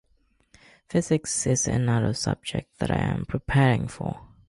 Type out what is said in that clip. Physics is another subject that I am preparing for.